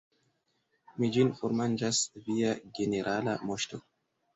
Mi ĝin formanĝas, Via Generala Moŝto.